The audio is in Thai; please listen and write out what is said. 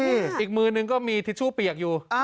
นี่อีกมือนึงก็มีทิชชู่เปียกอยู่